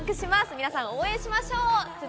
皆さん、応援しましょう。